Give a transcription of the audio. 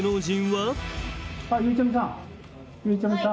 はい。